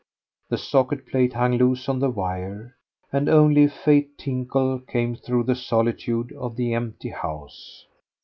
The socket plate hung loose on the wire, and only a faint tinkle came through the solitude of the empty house.